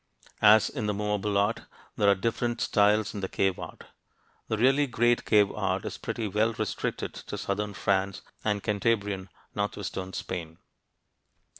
As in the movable art, there are different styles in the cave art. The really great cave art is pretty well restricted to southern France and Cantabrian (northwestern) Spain.